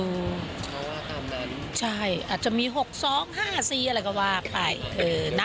เพราะว่าถามนางนี่ใช่อาจจะมี๖๒๕๔อะไรก็ว่าไปเออนะ